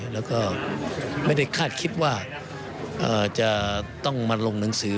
แล้วก็ไม่ได้คาดคิดว่าจะต้องมาลงหนังสือ